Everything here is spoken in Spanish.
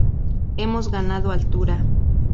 Hemos ganado altura.